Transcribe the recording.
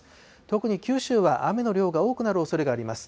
特に九州は雨の量が多くなるおそれがあります。